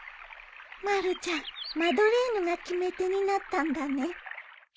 まるちゃんマドレーヌが決め手になったんだね